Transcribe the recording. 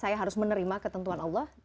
saya harus menerima ketentuan allah